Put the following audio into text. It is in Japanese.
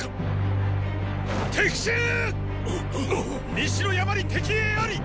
西の山に敵影あり！